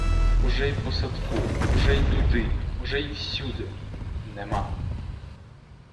Уже й по садку, уже й туди, уже й сюди — нема.